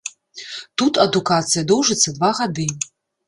Тут адукацыя доўжыцца два гады.